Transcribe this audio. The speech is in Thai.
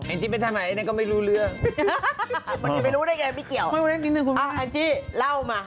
อังจิเป็นทางไหนไอ้ไหนก็ไม่รู้เรื่องไม่รู้ได้ไงไม่เกี่ยวอังจิเล่ามา